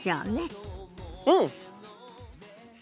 うん！